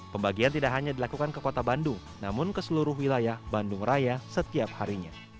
pembagian tidak hanya dilakukan ke kota bandung namun ke seluruh wilayah bandung raya setiap harinya